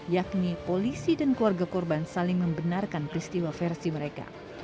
yakni polisi dan keluarga korban saling membenarkan peristiwa versi mereka